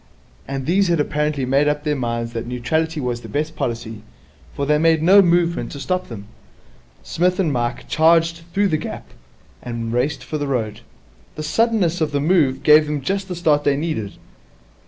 And these had apparently made up their minds that neutrality was the best policy, for they made no movement to stop them. Psmith and Mike charged through the gap, and raced for the road. The suddenness of the move gave them just the start they needed.